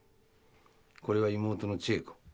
これは妹の千枝子。